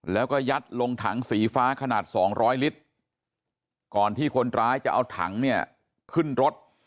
แล้วก็ยัดลงถังสีฟ้าขนาด๒๐๐ลิตร